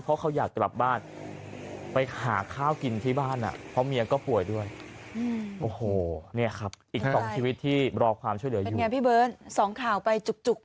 เป็นไงพี่เบิ้ลสองข่าวไปจุก